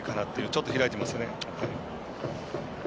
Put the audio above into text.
ちょっと開いてますよね。